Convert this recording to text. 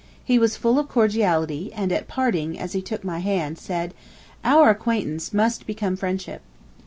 He was full of cordiality, and, at parting, as he took my hand, said: "Our acquaintance must become friendship."